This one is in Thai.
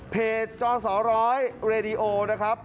เพจจอสองร้อยราดิโอนะครับ